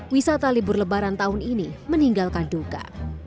wisata libur lebaran tahun ini meninggalkan duka